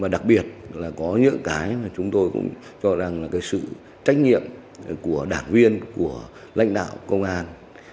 đặc biệt là có những cái mà chúng tôi cũng cho rằng là cái sự trách nhiệm của đảng viên của lãnh đạo công an